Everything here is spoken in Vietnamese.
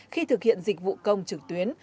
khi thực hiện dịch vụ công trực tuyến